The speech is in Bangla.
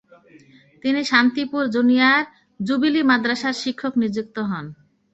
তিনি শান্তিপুর জুনিয়র জুবিলি মাদ্রাসার শিক্ষক নিযুক্ত হন।